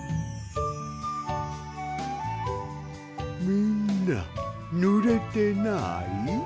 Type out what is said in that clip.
みんなぬれてない？